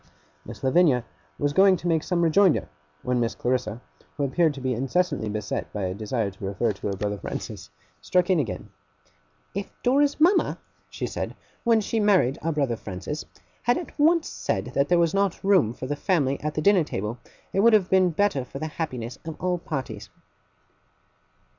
Miss Lavinia was going on to make some rejoinder, when Miss Clarissa, who appeared to be incessantly beset by a desire to refer to her brother Francis, struck in again: 'If Dora's mama,' she said, 'when she married our brother Francis, had at once said that there was not room for the family at the dinner table, it would have been better for the happiness of all parties.